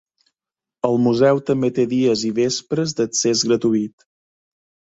El Museu també té dies i vespres d'accés gratuït.